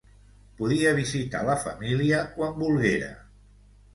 Podia visitar la família quan volguera.